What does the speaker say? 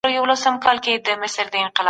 خپل ځان له لوږي څخه وساتئ.